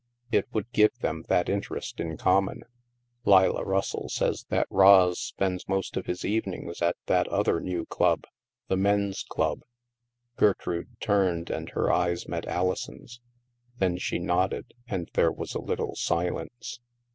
It would give them that in terest in common. Leila Russell says that Ros spends most of his evenings at that other new club — the men's club." Gertrude turned, and her eyes met Alison's. Then she nodded, and there was a little silence.